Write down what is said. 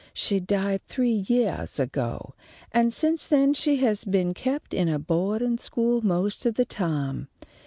She died three yeahs ago, and since then she's been kept in a boa'din' school most of the time.